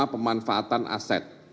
sama pemanfaatan aset